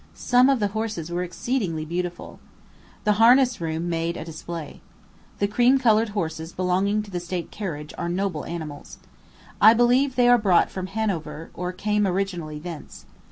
Some of the horses were exceedingly beautiful. The harness room made a display. The cream colored horses belonging to the state carriage are noble animals. I believe they are brought from Hanover, or came originally thence.